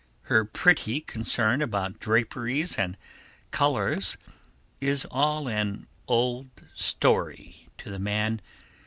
Her pretty concern about draperies and colours is all an old story to the man.